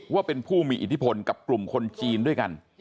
ว่าเป็นผู้มีอิทธิพลกับกลุ่มคนจีนด้วยกัน